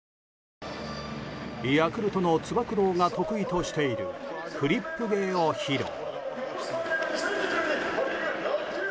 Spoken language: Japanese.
ヤクルトのつば九郎が得意としているフリップ芸を披露。